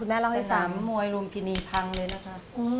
สนามมวยฯลูมพินีฯพังเลยนะคะ